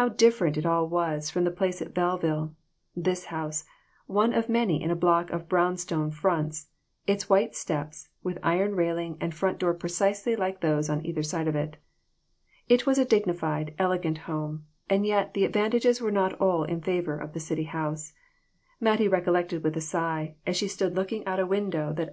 How different it all was from the place at Belleville this house, one of many in a block of brown stone fronts, its white steps, with iron railing and front door precisely like those on either side of it. It was a dignified, elegant home, and yet the advantages were not all in favor of the city house, Mattie recollected with a sigh, as she stood looking out a window that 224 THIS WORLD, AND THE OTHER ONE.